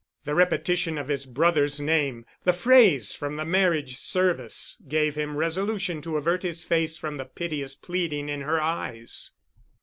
The repetition of his brother's name, the phrase from the marriage service, gave him resolution to avert his face from the piteous pleading in her eyes.